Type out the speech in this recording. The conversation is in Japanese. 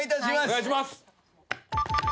お願いします！